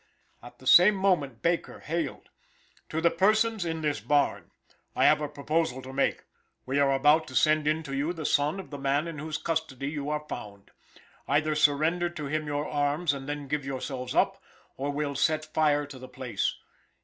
At the same moment Baker hailed: "To the persons in this barn. I have a proposal to make; we are about to send in to you the son of the man in whose custody you are found. Either surrender to him your arms and then give yourselves up, or we'll set fire to the place.